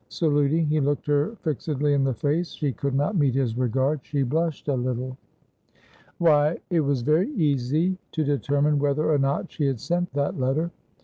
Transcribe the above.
Saluting, he looked her fixedly in the face; she could not meet his regard; she blushed a little Why, it was very easy to determine whether or not she had sent that letter.